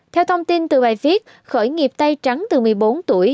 theo thông tin từ bài viết khởi nghiệp tay trắng từ một mươi bốn tuổi